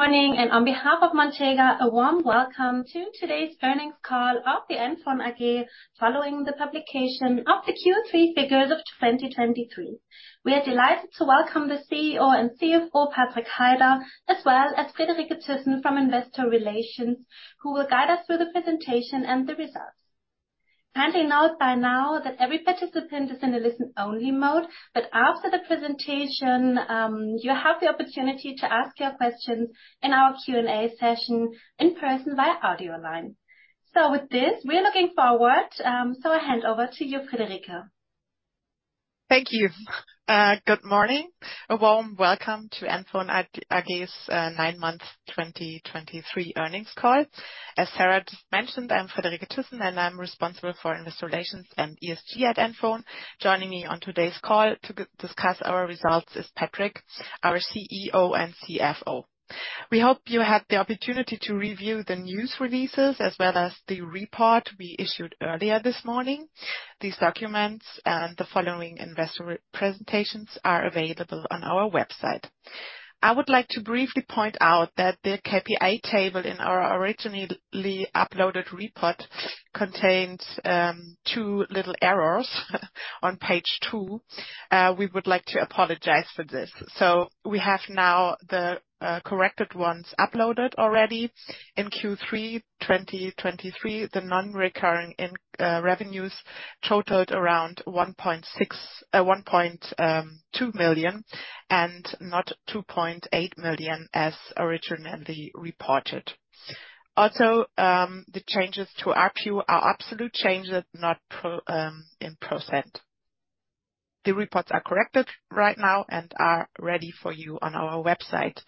Morning, and on behalf of Montega, a warm welcome to today's earnings call of the NFON AG, following the publication of the Q3 figures of 2023. We are delighted to welcome the CEO and CFO, Patrik Heider, as well as Friederike Thyssen from Investor Relations, who will guide us through the presentation and the results. Kindly note by now that every participant is in a listen-only mode, but after the presentation, you have the opportunity to ask your questions in our Q&A session in person via audio line. So with this, we are looking forward, so I hand over to you, Friederike. Thank you. Good morning. A warm welcome to NFON AG's 9-month 2023 earnings call. As Sarah just mentioned, I'm Friederike Thyssen, and I'm responsible for investor relations and ESG at NFON. Joining me on today's call to discuss our results is Patrik, our CEO and CFO. We hope you had the opportunity to review the news releases as well as the report we issued earlier this morning. These documents and the following investor presentations are available on our website. I would like to briefly point out that the KPI table in our originally uploaded report contains two little errors on page 2. We would like to apologize for this. So we have now the corrected ones uploaded already. In Q3 2023, the non-recurring revenues totaled around 1.6 million, 1.2 million, and not 2.8 million, as originally reported. Also, the changes to ARPU are absolute changes, not in percent. The reports are corrected right now and are ready for you on our website.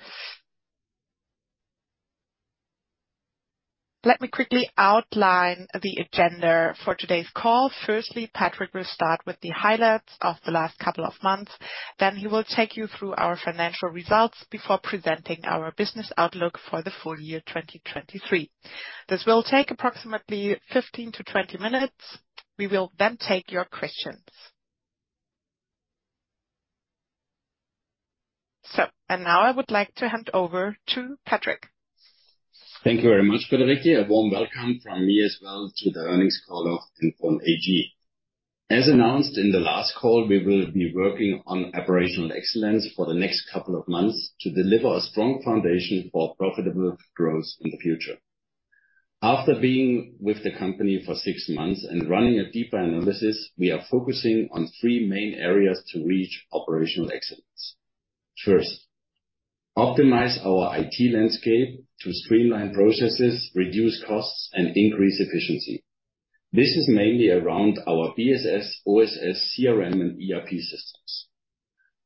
Let me quickly outline the agenda for today's call. Firstly, Patrik will start with the highlights of the last couple of months, then he will take you through our financial results before presenting our business outlook for the full year 2023. This will take approximately 15-20 minutes. We will then take your questions. And now I would like to hand over to Patrik. Thank you very much, Friederike. A warm welcome from me as well to the earnings call of NFON AG. As announced in the last call, we will be working on operational excellence for the next couple of months to deliver a strong foundation for profitable growth in the future. After being with the company for six months and running a deeper analysis, we are focusing on three main areas to reach operational excellence. First, optimize our IT landscape to streamline processes, reduce costs, and increase efficiency. This is mainly around our BSS, OSS, CRM, and ERP systems.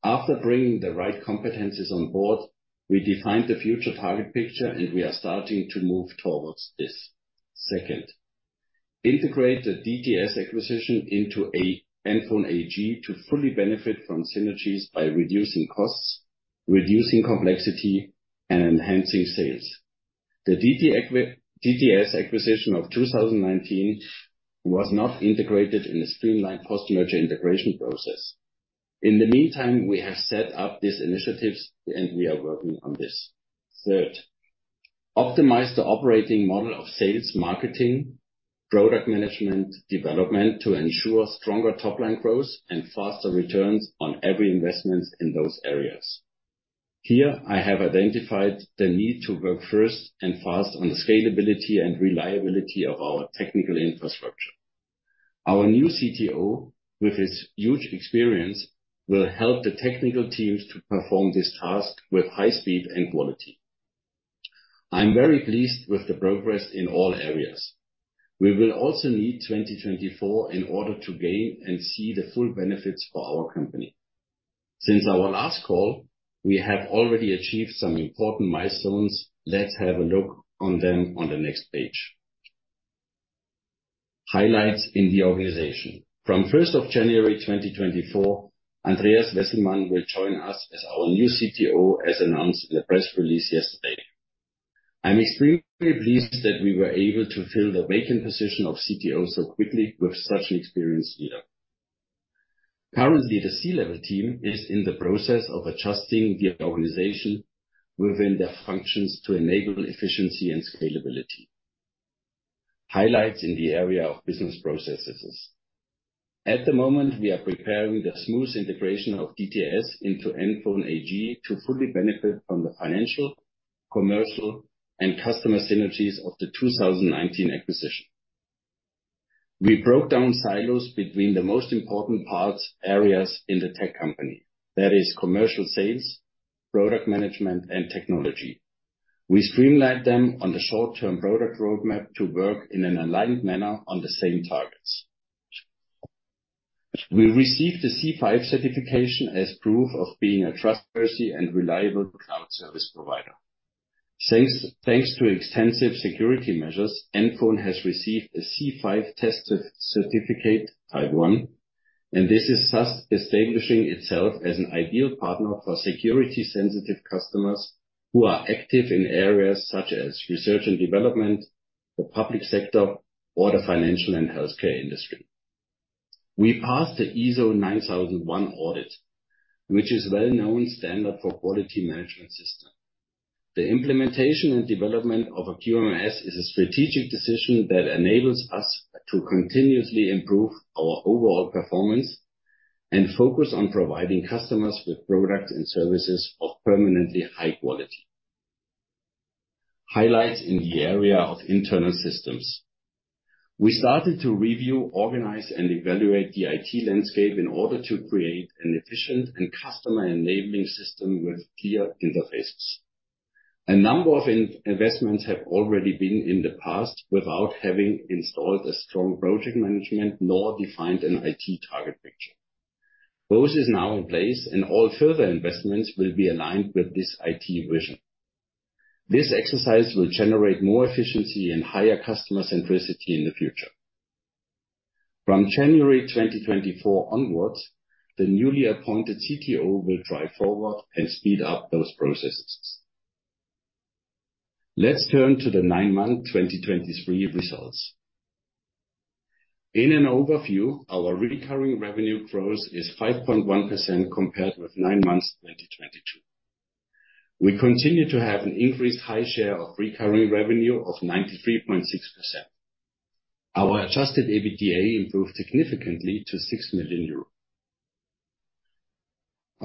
After bringing the right competencies on board, we defined the future target picture, and we are starting to move towards this. Second, integrate the DTS acquisition into NFON AG to fully benefit from synergies by reducing costs, reducing complexity, and enhancing sales. The DTS acquisition of 2019 was not integrated in a streamlined post-merger integration process. In the meantime, we have set up these initiatives, and we are working on this. Third, optimize the operating model of sales, marketing, product management, development to ensure stronger top-line growth and faster returns on every investment in those areas. Here, I have identified the need to work first and fast on the scalability and reliability of our technical infrastructure. Our new CTO, with his huge experience, will help the technical teams to perform this task with high speed and quality. I'm very pleased with the progress in all areas. We will also need 2024 in order to gain and see the full benefits for our company. Since our last call, we have already achieved some important milestones. Let's have a look on them on the next page. Highlights in the organization. From January 1, 2024, Andreas Wesselmann will join us as our new CTO, as announced in the press release yesterday. I'm extremely pleased that we were able to fill the vacant position of CTO so quickly with such an experienced leader. Currently, the C-level team is in the process of adjusting the organization within their functions to enable efficiency and scalability. Highlights in the area of business processes. At the moment, we are preparing the smooth integration of DTS into NFON AG to fully benefit from the financial, commercial, and customer synergies of the 2019 acquisition. We broke down silos between the most important parts, areas in the tech company. That is commercial sales, product management, and technology. We streamlined them on the short-term product roadmap to work in an aligned manner on the same targets. We received a C5 certification as proof of being a trustworthy and reliable cloud service provider. Thanks, thanks to extensive security measures, NFON has received a C5 tested certificate, Type 1, and this is thus establishing itself as an ideal partner for security-sensitive customers who are active in areas such as research and development, the public sector, or the financial and healthcare industry. We passed the ISO 9001 audit, which is a well-known standard for quality management system. The implementation and development of a QMS is a strategic decision that enables us to continuously improve our overall performance and focus on providing customers with products and services of permanently high quality. Highlights in the area of internal systems. We started to review, organize, and evaluate the IT landscape in order to create an efficient and customer-enabling system with clear interfaces. A number of investments have already been in the past without having installed a strong project management, nor defined an IT target picture. Both is now in place, and all further investments will be aligned with this IT vision. This exercise will generate more efficiency and higher customer centricity in the future. From January 2024 onwards, the newly appointed CTO will drive forward and speed up those processes. Let's turn to the nine-month 2023 results. In an overview, our recurring revenue growth is 5.1% compared with nine months 2022. We continue to have an increased high share of recurring revenue of 93.6%. Our adjusted EBITDA improved significantly to 6 million euros.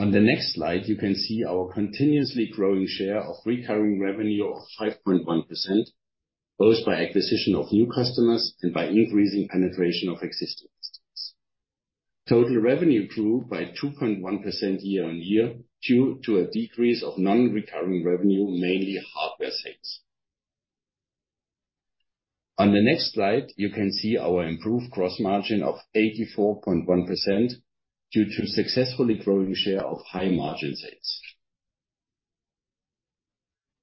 On the next slide, you can see our continuously growing share of recurring revenue of 5.1%, both by acquisition of new customers and by increasing penetration of existing customers. Total revenue grew by 2.1% year-on-year, due to a decrease of non-recurring revenue, mainly hardware sales. On the next slide, you can see our improved gross margin of 84.1% due to successfully growing share of high-margin sales.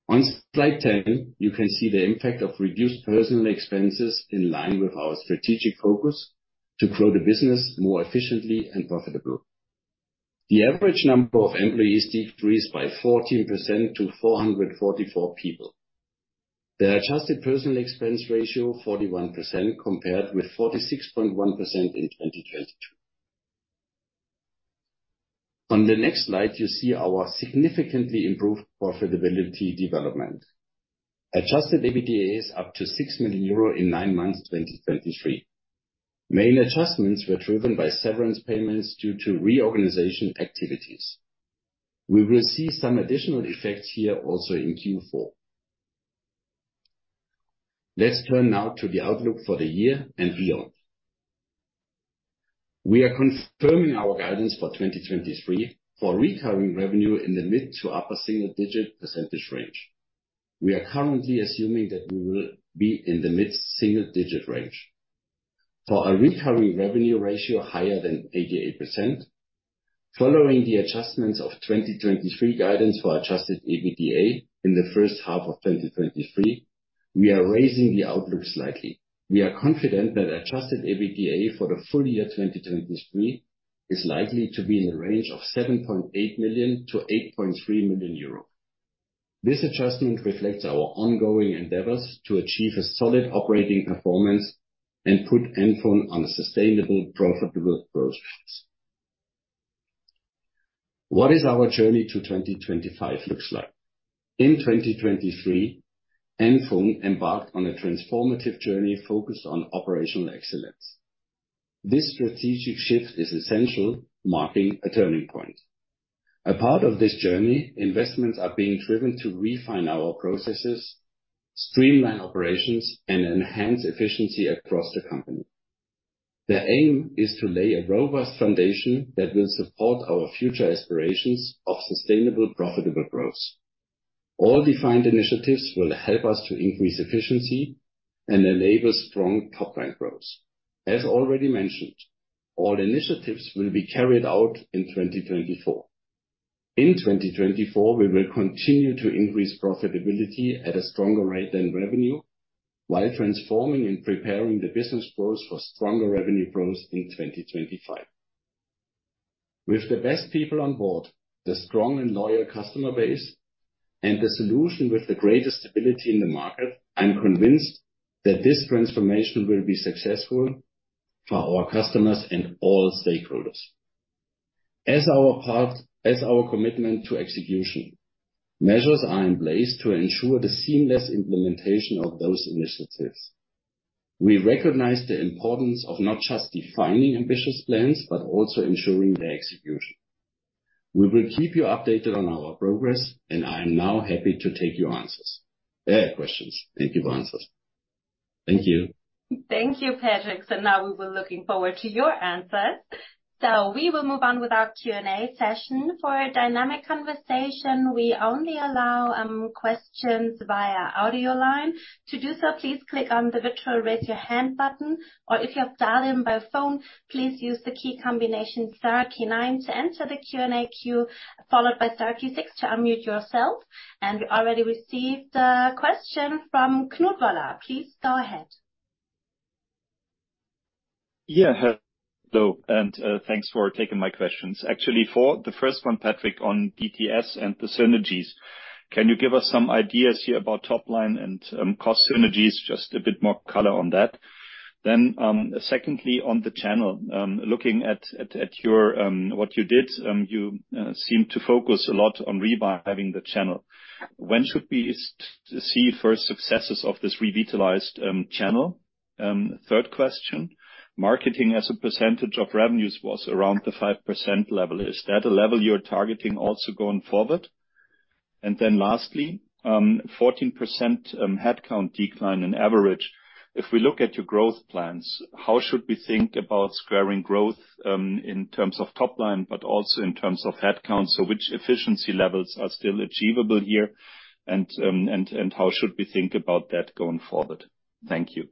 On slide 10, you can see the impact of reduced personnel expenses in line with our strategic focus to grow the business more efficiently and profitably. The average number of employees decreased by 14% to 444 people. The adjusted personnel expense ratio, 41%, compared with 46.1% in 2022. On the next slide, you see our significantly improved profitability development. Adjusted EBITDA is up to 6 million euro in nine months, 2023. Main adjustments were driven by severance payments due to reorganization activities. We will see some additional effects here also in Q4. Let's turn now to the outlook for the year and beyond. We are confirming our guidance for 2023 for recurring revenue in the mid- to upper-single-digit percentage range. We are currently assuming that we will be in the mid-single-digit range. For a recurring revenue ratio higher than 88%, following the adjustments of 2023 guidance for adjusted EBITDA in the first half of 2023, we are raising the outlook slightly. We are confident that adjusted EBITDA for the full year 2023 is likely to be in the range of 7.8 million-8.3 million euro. This adjustment reflects our ongoing endeavors to achieve a solid operating performance and put NFON on a sustainable, profitable growth process. What is our journey to 2025 looks like? In 2023, NFON embarked on a transformative journey focused on operational excellence. This strategic shift is essential, marking a turning point. A part of this journey, investments are being driven to refine our processes, streamline operations, and enhance efficiency across the company. The aim is to lay a robust foundation that will support our future aspirations of sustainable, profitable growth. All defined initiatives will help us to increase efficiency and enable strong top-line growth. As already mentioned, all initiatives will be carried out in 2024. In 2024, we will continue to increase profitability at a stronger rate than revenue, while transforming and preparing the business growth for stronger revenue growth in 2025. With the best people on board, the strong and loyal customer base, and the solution with the greatest stability in the market, I'm convinced that this transformation will be successful for our customers and all stakeholders. As our part, as our commitment to execution, measures are in place to ensure the seamless implementation of those initiatives. We recognize the importance of not just defining ambitious plans, but also ensuring their execution. We will keep you updated on our progress, and I am now happy to take your answers-- questions and give answers. Thank you. Thank you, Patrik. So now we were looking forward to your answers. So we will move on with our Q&A session. For a dynamic conversation, we only allow questions via audio line. To do so, please click on the virtual Raise Your Hand button, or if you have dialed in by phone, please use the key combination star key nine to enter the Q&A queue, followed by star key six to unmute yourself. And we already received a question from Knut Woller. Please go ahead. Yeah. Hello, and thanks for taking my questions. Actually, for the first one, Patrik, on DTS and the synergies. Can you give us some ideas here about top line and cost synergies? Just a bit more color on that. Then, secondly, on the channel, looking at what you did, you seem to focus a lot on reviving the channel. When should we see first successes of this revitalized channel? Third question, marketing as a percentage of revenues was around the 5% level. Is that a level you're targeting also going forward? And then lastly, 14% headcount decline on average. If we look at your growth plans, how should we think about squaring growth in terms of top line, but also in terms of headcount? So which efficiency levels are still achievable here, and how should we think about that going forward? Thank you.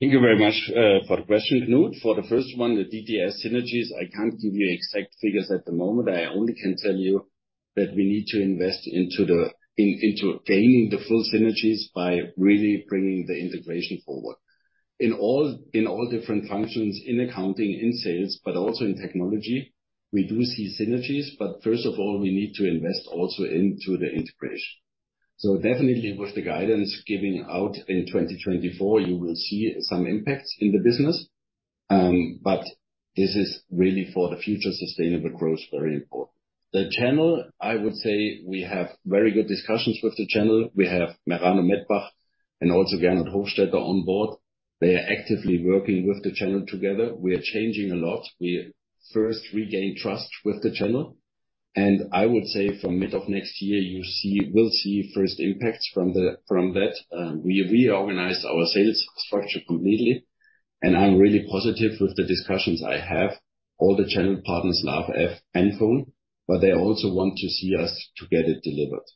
Thank you very much for the question, Knut. For the first one, the DTS synergies, I can't give you exact figures at the moment. I only can tell you that we need to invest into gaining the full synergies by really bringing the integration forward. In all different functions, in accounting, in sales, but also in technology, we do see synergies, but first of all, we need to invest also into the integration. So definitely with the guidance giving out in 2024, you will see some impacts in the business, but this is really for the future sustainable growth, very important. The channel, I would say we have very good discussions with the channel. We have Merano Mettbach and also Gernot Hofstetter on board. They are actively working with the channel together. We are changing a lot. We first regained trust with the channel, and I would say from mid of next year, we'll see first impacts from that. We reorganized our sales structure completely, and I'm really positive with the discussions I have. All the channel partners love NFON, but they also want to see us to get it delivered.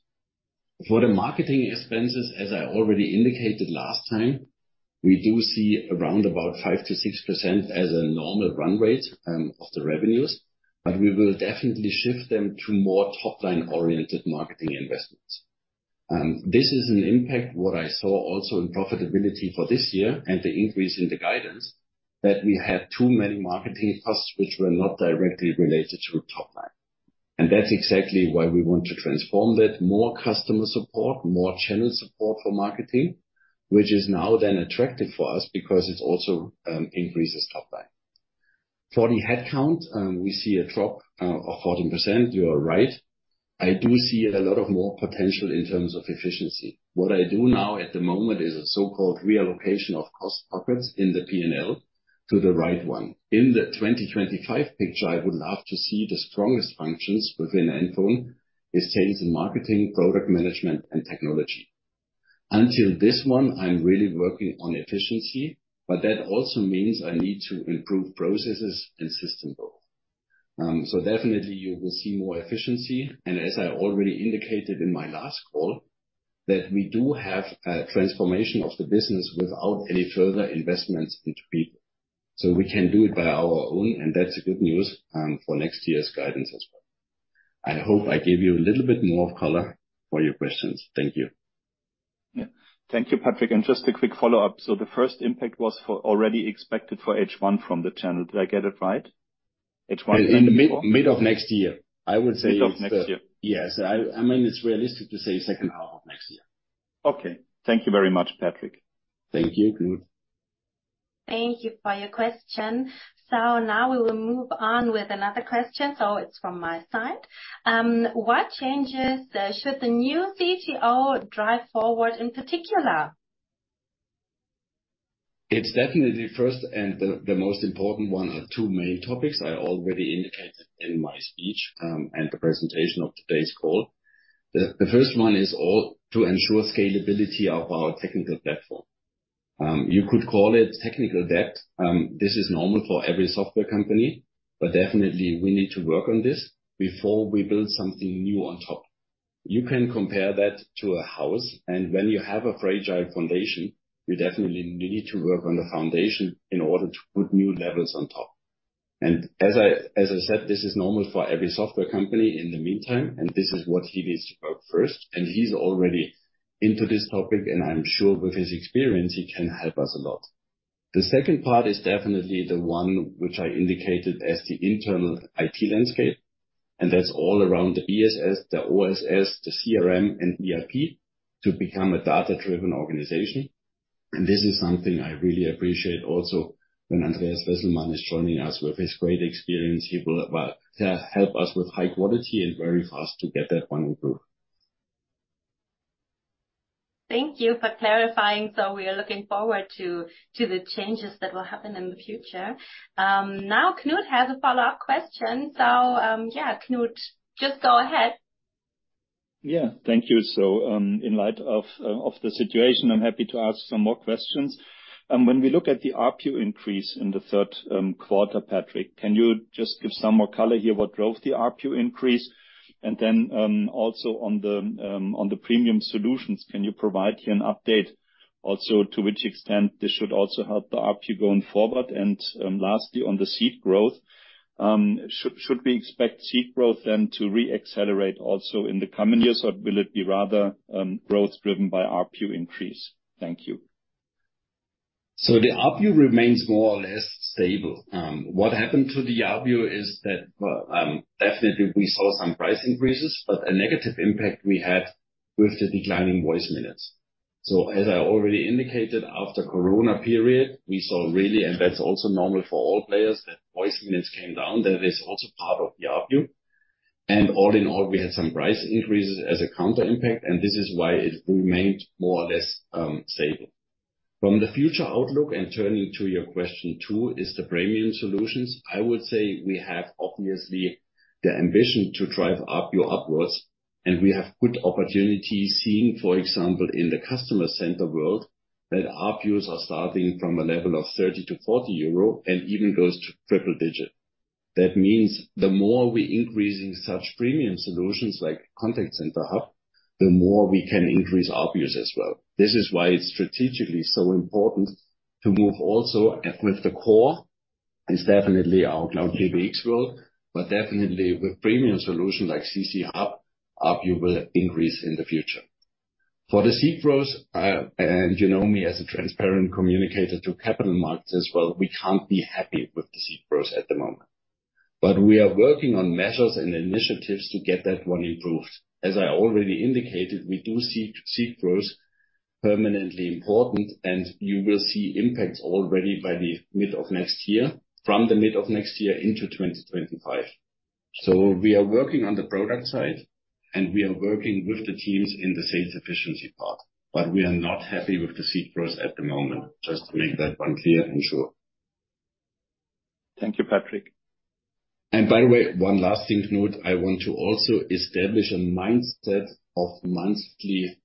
For the marketing expenses, as I already indicated last time, we do see around about 5%-6% as a normal run rate of the revenues, but we will definitely shift them to more top-line-oriented marketing investments. This is an impact, what I saw also in profitability for this year and the increase in the guidance, that we had too many marketing costs which were not directly related to top line. And that's exactly why we want to transform that. More customer support, more channel support for marketing, which is now then attractive for us because it also increases top line. For the headcount, we see a drop of 14%. You are right. I do see a lot of more potential in terms of efficiency. What I do now at the moment is a so-called reallocation of cost pockets in the P&L to the right one. In the 2025 picture, I would love to see the strongest functions within NFON is sales and marketing, product management, and technology. Until this one, I'm really working on efficiency, but that also means I need to improve processes and system growth. So definitely you will see more efficiency, and as I already indicated in my last call, that we do have a transformation of the business without any further investments into people. So we can do it by our own, and that's good news for next year's guidance as well. I hope I gave you a little bit more color for your questions. Thank you. Yeah. Thank you, Patrik, and just a quick follow-up. So the first impact was for, already expected for H1 from the channel. Did I get it right? H1 2024? In mid of next year, I would say- Mid of next year. Yes. I mean, it's realistic to say second half of next year. Okay. Thank you very much, Patrik. Thank you, Knut. Thank you for your question. Now we will move on with another question, so it's from my side. What changes should the new CTO drive forward in particular? It's definitely first, and the most important one are two main topics I already indicated in my speech, and the presentation of today's call. The first one is all to ensure scalability of our technical platform. You could call it technical debt. This is normal for every software company, but definitely we need to work on this before we build something new on top. You can compare that to a house, and when you have a fragile foundation, you definitely need to work on the foundation in order to put new levels on top. And as I said, this is normal for every software company in the meantime, and this is what he needs to work first. And he's already into this topic, and I'm sure with his experience, he can help us a lot. The second part is definitely the one which I indicated as the internal IT landscape, and that's all around the BSS, the OSS, the CRM, and ERP, to become a data-driven organization. And this is something I really appreciate also, when Andreas Wesselmann is joining us with his great experience, he will help us with high quality and very fast to get that one improved. Thank you for clarifying. So we are looking forward to the changes that will happen in the future. Now Knut has a follow-up question. So, yeah, Knut, just go ahead. Yeah. Thank you. So, in light of, of the situation, I'm happy to ask some more questions. When we look at the ARPU increase in the third quarter, Patrik, can you just give some more color here, what drove the ARPU increase? And then, also on the, on the premium solutions, can you provide here an update also to which extent this should also help the ARPU going forward? And, lastly, on the seat growth, should, should we expect seat growth then to re-accelerate also in the coming years, or will it be rather, growth driven by ARPU increase? Thank you. So the ARPU remains more or less stable. What happened to the ARPU is that, definitely we saw some price increases, but a negative impact we had with the declining voice minutes. So as I already indicated, after Corona period, we saw really, and that's also normal for all players, that voice minutes came down. That is also part of the ARPU. And all in all, we had some price increases as a counter impact, and this is why it remained more or less stable. From the future outlook, and turning to your question two, is the premium solutions. I would say we have obviously the ambition to drive ARPU upwards, and we have good opportunities, seeing, for example, in the customer center world, that ARPUs are starting from a level of 30 EUR-40 EUR and even goes to triple digit. That means the more we increase in such premium solutions like Contact Center Hub, the more we can increase ARPUs as well. This is why it's strategically so important to move also with the core. It's definitely our Cloud PBX world, but definitely with premium solution like CC Hub, ARPU will increase in the future. For the seat gross, and you know me as a transparent communicator to capital markets as well, we can't be happy with the seat gross at the moment. But we are working on measures and initiatives to get that one improved. As I already indicated, we do see seat gross permanently important, and you will see impacts already by the mid of next year, from the mid of next year into 2025. We are working on the product side, and we are working with the teams in the sales efficiency part, but we are not happy with the seat gross at the moment. Just to make that one clear and sure. Thank you, Patrik. By the way, one last thing to note, I want to also establish a mindset of monthly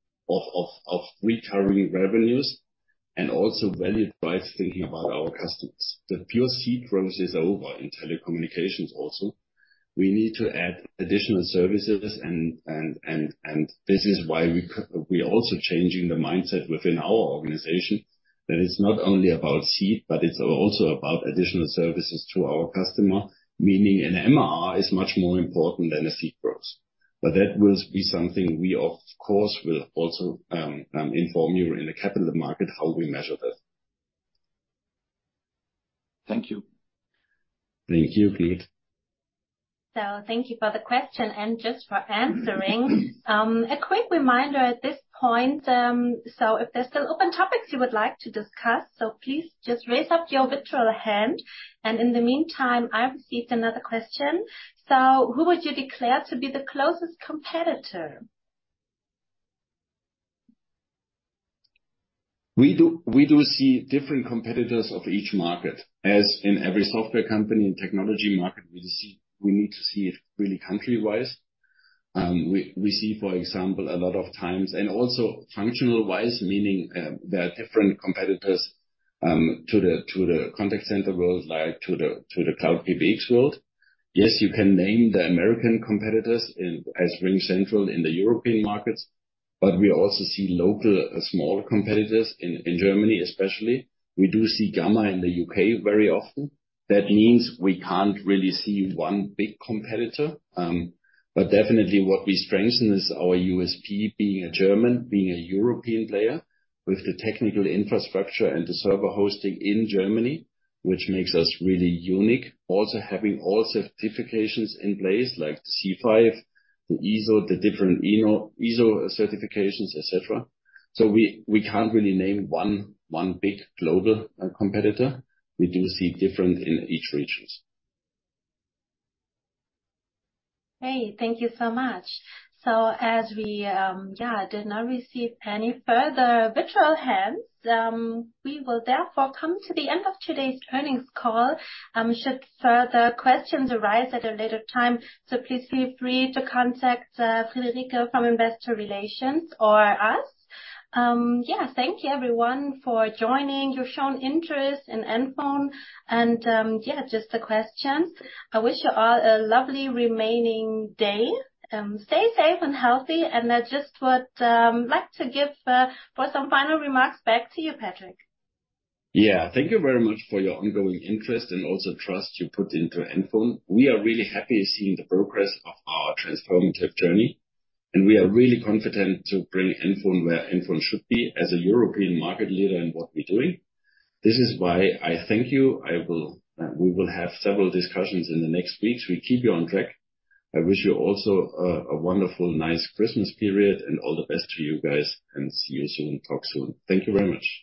recurring revenues and also valued price thinking about our customers. The pure seat gross is over in telecommunications also. We need to add additional services and this is why we're also changing the mindset within our organization, that it's not only about seat, but it's also about additional services to our customer, meaning an MRR is much more important than a seat gross. But that will be something we, of course, will also inform you in the capital market, how we measure this. Thank you. Thank you, Knut. So thank you for the question, and just for answering. A quick reminder at this point, so if there's still open topics you would like to discuss, so please just raise up your virtual hand, and in the meantime, I received another question: So who would you declare to be the closest competitor? We do, we do see different competitors of each market. As in every software company in technology market, we see we need to see it really country-wise. We, we see, for example, a lot of times. And also functional-wise, meaning, there are different competitors to the, to the contact center world, like to the, to the Cloud PBX world. Yes, you can name the American competitors in, as RingCentral in the European markets, but we also see local, small competitors in, in Germany, especially. We do see Gamma in the U.K. very often. That means we can't really see one big competitor, but definitely what we strengthen is our USP, being a German, being a European player, with the technical infrastructure and the server hosting in Germany, which makes us really unique. Also, having all certifications in place, like C5, the ISO, the different EN-ISO certifications, et cetera. So we can't really name one big global competitor. We do see different in each regions. Hey, thank you so much. So as we did not receive any further virtual hands, we will therefore come to the end of today's earnings call. Should further questions arise at a later time, please feel free to contact Friederike from Investor Relations or us. Thank you everyone for joining. You've shown interest in NFON and just the questions. I wish you all a lovely remaining day. Stay safe and healthy, and that's just what I'd like to give for some final remarks back to you, Patrik. Yeah. Thank you very much for your ongoing interest and also trust you put into NFON. We are really happy seeing the progress of our transformative journey, and we are really confident to bring NFON where NFON should be as a European market leader in what we're doing. This is why I thank you. I will, we will have several discussions in the next weeks. We keep you on track. I wish you also a wonderful, nice Christmas period, and all the best to you guys, and see you soon. Talk soon. Thank you very much.